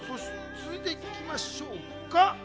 続いていきましょうか。